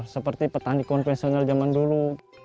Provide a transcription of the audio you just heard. seperti petani konvensional zaman dulu